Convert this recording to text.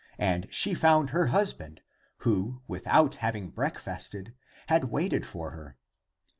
And she found her husband, who, without having breakfasted, had waited for her.